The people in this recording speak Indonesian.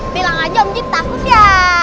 bilang aja om jin takut ya